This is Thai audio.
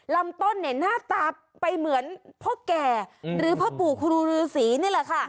ลำต้นเนี่ยหน้าตาไปเหมือนพ่อแก่หรือพ่อปู่ครูฤษีนี่แหละค่ะ